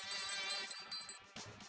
ibu ibu dimana